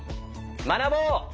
学ぼう！